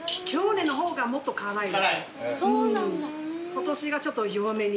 今年がちょっと弱めに。